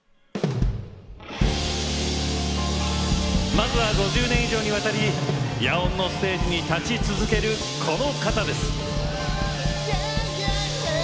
まずは５０年以上にわたり野音のステージに立ち続けるこの方です。